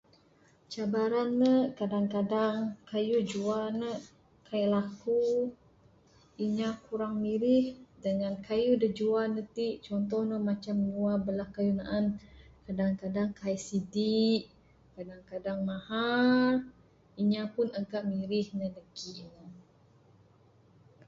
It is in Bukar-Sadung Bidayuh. Cabaran ne kadang-kadang kayuh jua ne kaik laku inya kurang mirih dangan kayuh da jua ne ti contoh ne macam nyua bala kayuh naan kadang-kadang kaik sidi kadang-kadang mahar inya pun agak mirih ne lagih.